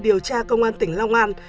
điều tra công an tỉnh long an